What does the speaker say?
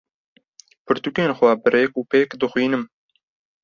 Pirtûkên xwe bi rêk û pêk dixwînim.